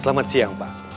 selamat siang pak